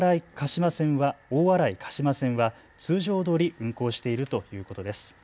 大洗鹿島線は通常どおり運行しているということです。